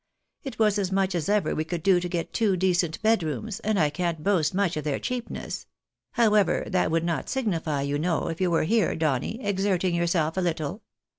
It was as much as ever we could do to get two decent bedrooms, and I can't boast much of their cheap ness; however, that would not signify, you know, if you were herCj Donny, exerting yourself a little.